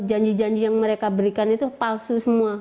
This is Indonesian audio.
janji janji yang mereka berikan itu palsu semua